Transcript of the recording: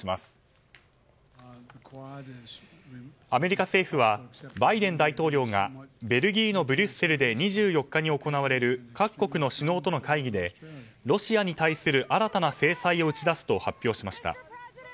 アメリカ政府はバイデン大統領がベルギーのブリュッセルで２４日に行われる各国の首脳との会議でロシアに対する新たな制裁を打ち出すと発表しました。